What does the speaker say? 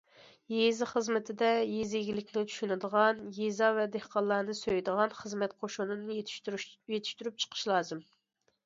يېزا خىزمىتىدە يېزا ئىگىلىكىنى چۈشىنىدىغان، يېزا ۋە دېھقانلارنى سۆيىدىغان خىزمەت قوشۇنىنى يېتىشتۈرۈپ چىقىش لازىم.